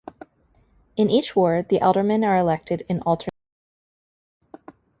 In each Ward, the alderman are elected in alternate years.